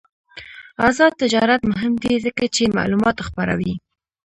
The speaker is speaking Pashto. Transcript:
آزاد تجارت مهم دی ځکه چې معلومات خپروي.